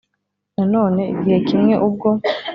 Nanone igihe kimwe ubwo